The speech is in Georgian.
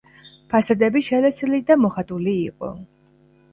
ფასადები შელესილი და მოხატული იყო.